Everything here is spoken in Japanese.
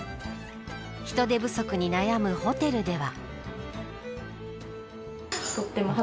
人手不足に悩むホテルでは。